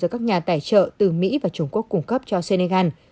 do các nhà tài trợ từ mỹ và trung quốc cung cấp cho senegal